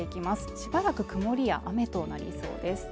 しばらく曇りや雨となりそうです。